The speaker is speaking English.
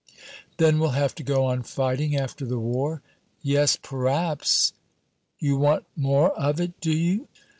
"Then we'll have to go on fighting after the war?" "Yes, p'raps " "You want more of it, do you?"